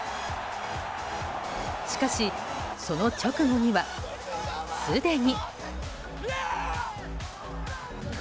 しかし、その直後にはすでに。